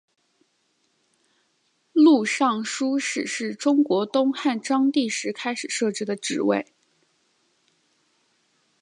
录尚书事是中国东汉章帝时开始设置的职位。